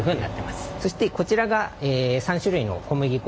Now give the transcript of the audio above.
そしてこちらが３種類の小麦粉。